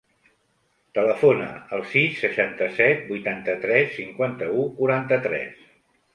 Telefona al sis, seixanta-set, vuitanta-tres, cinquanta-u, quaranta-tres.